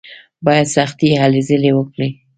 بايد سختې هلې ځلې وکړو.